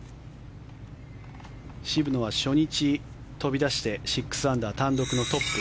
渋野は初日、飛び出して６アンダー単独のトップ。